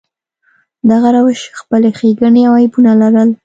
دغه روش خپلې ښېګڼې او عیبونه لرل.